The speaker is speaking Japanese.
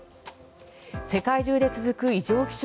世界中で続く異常気象。